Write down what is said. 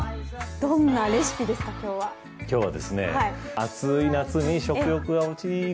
どんなレシピですか、今日は。